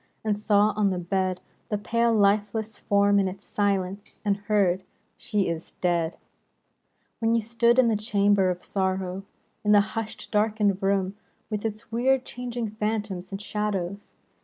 And saw on the bed The pale, lifeless form in its silence, And heard, " She is dead," — When you stood in the chamber of sorrow. In the hushed, darkened room, With its weird changing phantoms and shadows.